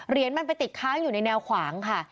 มันไปติดค้างอยู่ในแนวขวางค่ะ